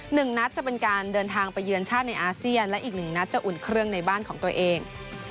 หนึ่งนัดจะเป็นการเดินทางไปเยือนชาติในอาเซียนและอีกหนึ่งนัดจะอุ่นเครื่องในบ้านของตัวเอง